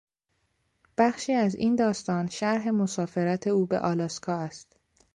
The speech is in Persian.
بخشی از این داستان شرح مسافرت او به آلاسکا است.